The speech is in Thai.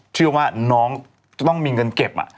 เชื่อว่าน้องจะต้องมีเงินเก็บ